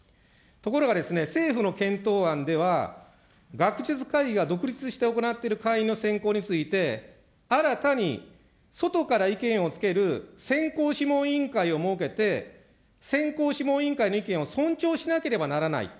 ところがですね、政府の検討案では、学術会議が独立して行っている会員の選考について、新たに外から意見をつける選考諮問委員会を設けて、選考諮問委員会の意見を尊重しなければならない。